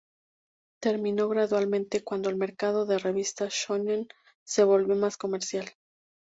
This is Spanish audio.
Terminó gradualmente cuando el mercado de revistas shōnen se volvió más comercial.